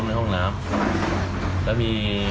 แม่ใจหมอพุทธแบบไหน